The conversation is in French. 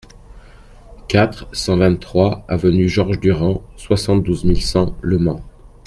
quatre cent vingt-trois avenue Georges Durand, soixante-douze mille cent Le Mans